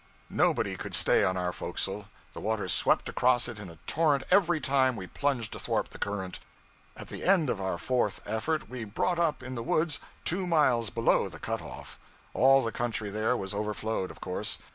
Nobody could stay on our forecastle; the water swept across it in a torrent every time we plunged athwart the current. At the end of our fourth effort we brought up in the woods two miles below the cut off; all the country there was overflowed, of course.